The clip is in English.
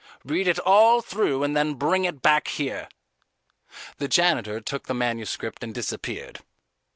Read it all through and then bring it back here." The janitor took the manuscript and disappeared.